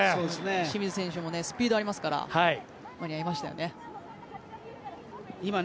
清水選手もスピードがありますから間に合いましたよね。